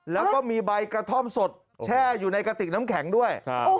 แล้วก็มีใบกระท่อมสดแช่อยู่ในกระติกน้ำแข็งด้วย